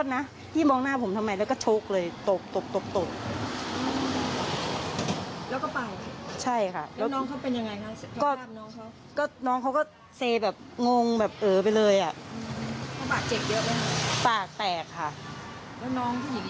แล้วน้องที่หยิกคนมันเยอะก็